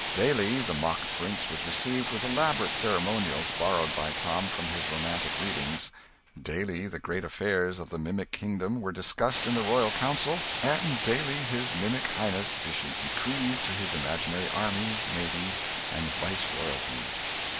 Daily the mock prince was received with elaborate ceremonials borrowed by Tom from his romantic readings; daily the great affairs of the mimic kingdom were discussed in the royal council, and daily his mimic highness issued decrees to his imaginary armies, navies, and viceroyalties.